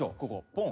ポン。